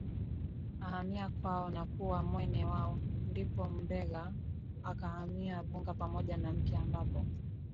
ahamia kwao na kuwa Mwene waoNdipo Mbegha akahamia Vuga pamoja na mke ambapo